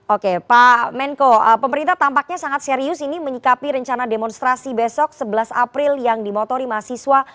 oke pak menko pemerintah tampaknya sangat serius ini menyikapi rencana demonstrasi besok sebelas april yang dimotori mahasiswa